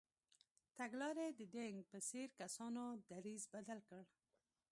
تګلارې د دینګ په څېر کسانو دریځ بدل کړ.